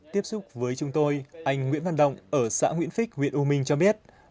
tiếp xúc với chúng tôi anh nguyễn văn động ở xã nguyễn phích huyện u minh cho biết